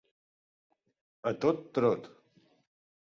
A tot trot.